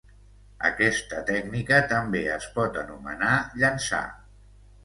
Aquesta tècnica també es pot anomenar llençar.